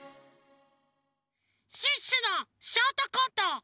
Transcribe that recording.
シュッシュのショートコント